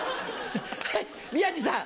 はい宮治さん。